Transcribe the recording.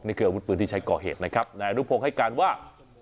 นี่คืออาวุธปืนที่ใช้ก่อเหตุนะครับนายอนุพงศ์ให้การว่า